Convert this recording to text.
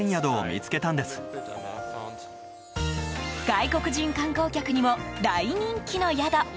外国人観光客にも大人気の宿。